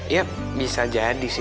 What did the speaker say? ya bisa jadi sih